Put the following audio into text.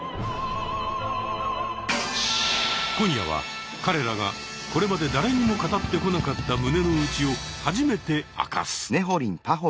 今夜は彼らがこれまで誰にも語ってこなかった胸のうちを初めて明かす！